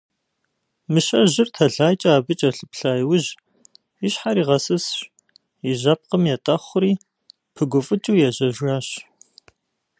Мыщэжьыр тэлайкӀэ абы кӀэлъыплъа иужь, и щхьэр игъэсысщ, и жьэпкъым етӀэхъури пыгуфӀыкӀыу ежьэжащ.